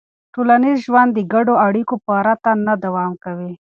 ټولنیز ژوند د ګډو اړیکو پرته نه دوام کوي.